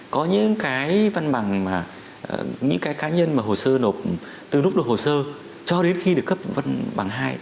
có những cái văn bằng mà những cái cá nhân mà hồ sơ nộp từ lúc nộp hồ sơ cho đến khi được cấp văn bằng hai